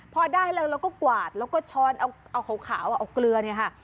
พอได้แล้วเราก็กวาดแล้วก็ช้อนเอาขาวเอาเกลือเนี่ยค่ะ